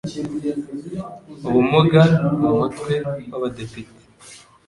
ubumuga mu Mutwe w Abadepite